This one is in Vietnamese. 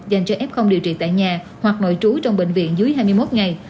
dành cho f điều trị tại nhà hoặc nội trú trong bệnh viện dưới hai mươi một ngày